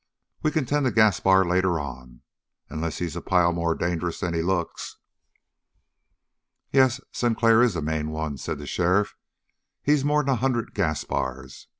We can tend to Gaspar later on unless he's a pile more dangerous'n he looks." "Yes, Sinclair is the main one," said the sheriff. "He's more'n a hundred Gaspars.